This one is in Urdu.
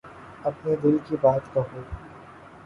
اپنے دل کی بات کہو۔